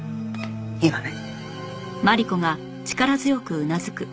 いいわね？